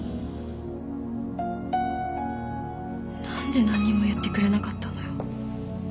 なんで何も言ってくれなかったのよ。